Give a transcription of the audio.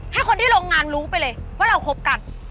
ให้คนที่โรงงานรู้ไปเลยว่าเราคบกัน